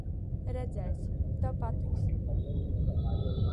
Redzēsi, tev patiks.